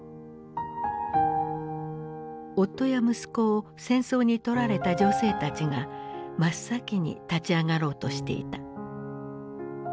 夫や息子を戦争にとられた女性たちが真っ先に立ち上がろうとしていた。